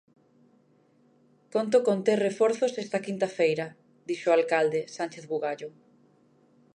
"Conto con ter reforzos esta quinta feira", dixo o alcalde, Sánchez Bugallo.